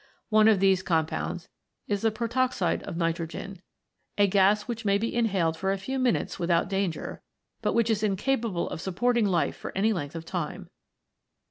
One of these compounds is the protoxide of ni trogen, a gas which may be inhaled for a few minutes without danger, but which is incapable of supporting life for any length of time.